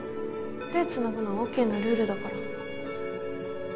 手つなぐのはオッケーなルールだから。